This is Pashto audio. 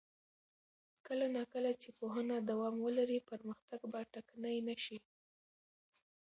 کله نا کله چې پوهنه دوام ولري، پرمختګ به ټکنی نه شي.